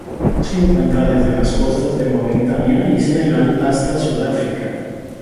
Se encuentra desde las costas de Mauritania y Senegal hasta Sudáfrica.